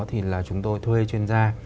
thì là chúng tôi thuê chuyên gia